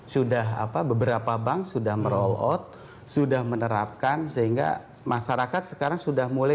sudah apa beberapa bank sudah meroll out sudah menerapkan sehingga masyarakat sekarang sudah mulai